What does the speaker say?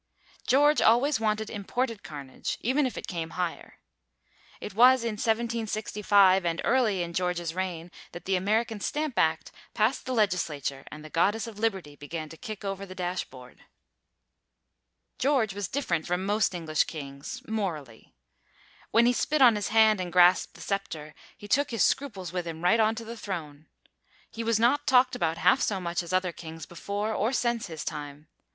George always wanted imported carnage, even if it came higher. It was in 1765, and early in George's reign, that the American stamp act passed the Legislature and the Goddess of Liberty began to kick over the dashboard. George was different from most English kings, morally. When he spit on his hand and grasped the sceptre, he took his scruples with him right onto the throne. He was not talked about half so much as other kings before or since his time.